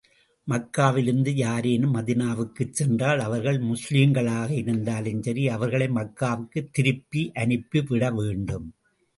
மக்காவிலிருந்து யாரேனும் மதீனாவுக்குச் சென்றால், அவர்கள் முஸ்லிம்களாக இருந்தாலும் சரி, அவர்களை மக்காவுக்குத் திருப்பி அனுப்பி விட வேண்டும்.